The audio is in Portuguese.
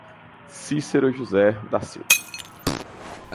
Cicero José da Silva